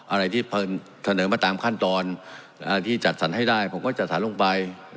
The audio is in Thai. อะไรที่เสนอมาตามขั้นตอนที่จัดสรรให้ได้ผมก็จัดสรรลงไป